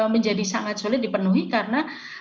menjadi sangat sulit dipenuhi karena